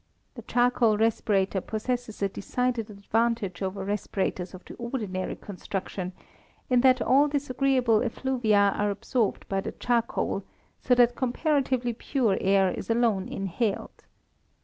The charcoal respirator possesses a decided advantage over respirators of the ordinary construction, in that all disagreeable effluvia are absorbed by the charcoal, so that comparatively pure air is alone inhaled.